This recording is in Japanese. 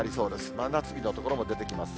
真夏日の所も出てきます。